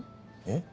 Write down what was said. えっ？